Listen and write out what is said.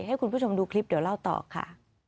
ให้คุณผู้ชมดูคลิปเดี๋ยวเล่าต่อค่ะ